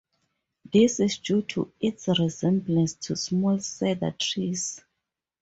This is due to its resemblance to small cedar trees.